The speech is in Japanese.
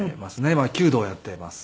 今弓道をやっています。